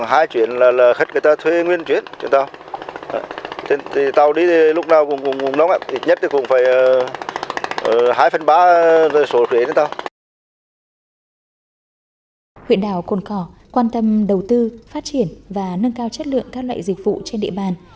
huyện đảo cồn cỏ quan tâm đầu tư phát triển và nâng cao chất lượng các loại dịch vụ trên địa bàn